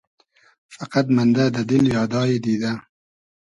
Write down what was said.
فئقئد مئندۂ دۂ دیل یادای دیدۂ